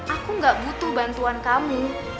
aku gak butuh bantuan kamu